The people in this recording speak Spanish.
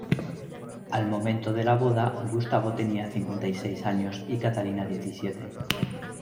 Al momento de la boda, Gustavo tenía cincuenta y seis años y Catalina diecisiete.